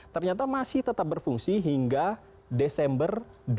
ternyata masih tetap berfungsi hingga desember dua ribu dua puluh